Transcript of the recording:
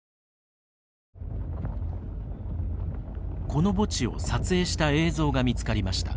この墓地を撮影した映像が見つかりました。